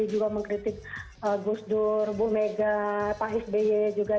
juga mengkritik gus dur bu mega pak sby juga